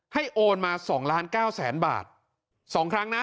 ให้โอนมา๒๙๐๐๐๐๐บาท๒ครั้งนะ